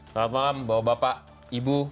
selamat malam bapak ibu